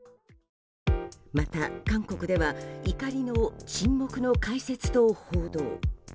また、韓国では怒りの沈黙の解説と報道。